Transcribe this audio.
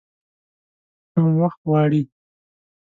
هم وخت غواړي .